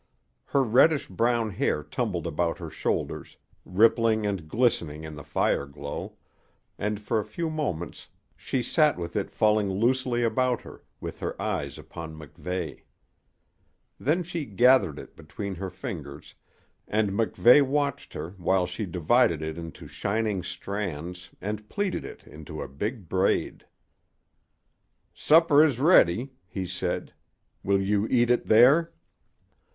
Her reddish brown hair tumbled about her shoulders, rippling and glistening in the fire glow, and for a few moments she sat with it falling loosely about her, with her eyes upon MacVeigh. Then she gathered it between her fingers, and MacVeigh watched her while she divided it into shining strands and pleated it into a big braid. "Supper is ready," he said. "Will you eat it there?"